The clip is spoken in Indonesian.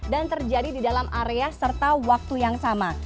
dan terjadi di dalam area serta waktu yang sama